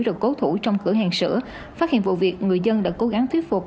được cố thủ trong cửa hàng sữa phát hiện vụ việc người dân đã cố gắng thuyết phục